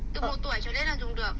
từ một tuổi cho đến là dùng được